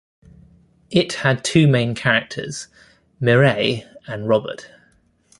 It had two main characters "Mireille" and "Robert".